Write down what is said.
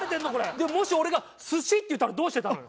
でももし俺が「寿司」って言ったらどうしてたのよ？